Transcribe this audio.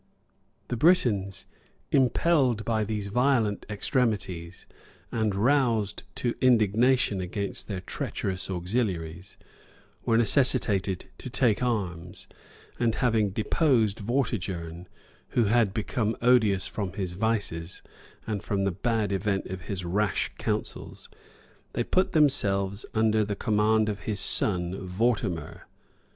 The Britons, impelled by these violent extremities, ana roused to indignation against their treacherous auxiliaries, were necessitated to take arms; and having deposed Vortigern, who had become odious from his vices, and from the bad event of his rash counsels, they put themselves under the Command of his son, Vortimer.